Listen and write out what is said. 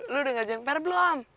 lu udah gak jangper belum